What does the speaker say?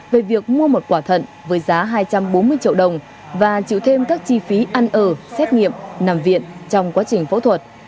về việc mua một quả thận với giá hai trăm bốn mươi triệu đồng và chịu thêm các chi phí ăn ở xét nghiệm nằm viện trong quá trình phẫu thuật